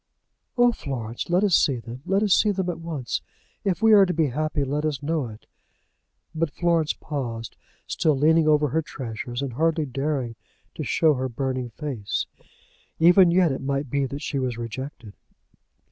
"Oh, Florence, let us see them; let us see them at once. If we are to be happy let us know it." But Florence paused, still leaning over her treasures, and hardly daring to show her burning face. Even yet it might be that she was rejected.